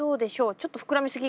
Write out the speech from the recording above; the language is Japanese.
ちょっと膨らみすぎ？